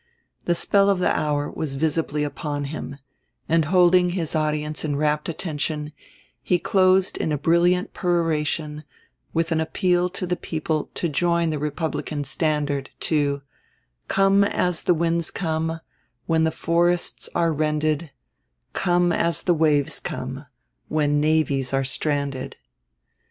The spell of the hour was visibly upon him; and holding his audience in rapt attention, he closed in a brilliant peroration with an appeal to the people to join the Republican standard, to Come as the winds come, when forests are rended; Come as the waves come, when navies are stranded.